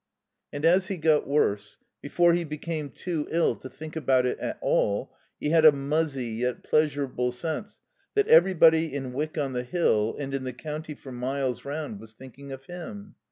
And as he got worse before he became too ill to think about it at all he had a muzzy yet pleasurable sense that everybody in Wyck on the Hill and in the county for miles round was thinking of him.